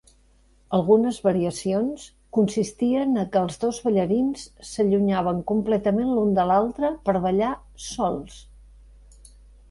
Algunes variacions consistien a que els dos ballarins s'allunyaven completament l'un de l'altre per ballar "sols".